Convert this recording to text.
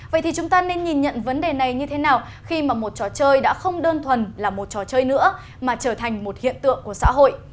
vậy thì chúng ta nên nhìn nhận vấn đề này như thế nào khi mà một trò chơi đã không đơn thuần là một trò chơi nữa mà trở thành một hiện tượng của xã hội